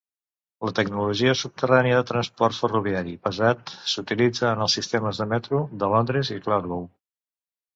La tecnologia subterrània de transport ferroviari pesat s'utilitza en els sistemes de metro de Londres i Glasgow.